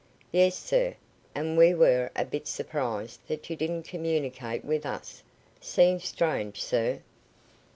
"Yes, sir, and we were a bit surprised that you didn't communicate with us. Seems strange, sir."